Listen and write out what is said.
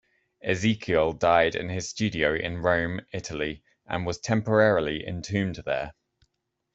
Ezekiel died in his studio in Rome, Italy, and was temporarily entombed there.